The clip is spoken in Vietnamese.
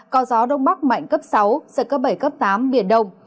có gió đông bắc mạnh cấp sáu giật cấp bảy cấp tám biển đông